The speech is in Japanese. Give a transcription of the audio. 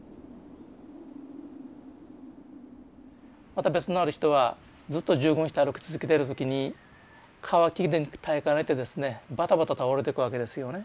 また別のある人はずっと従軍して歩き続けてる時に渇きで耐えかねてですねバタバタ倒れてくわけですよね。